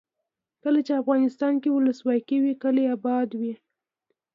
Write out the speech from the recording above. کله چې افغانستان کې ولسواکي وي کلي اباد وي.